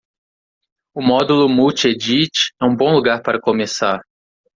O módulo multi-edit é um bom lugar para começar.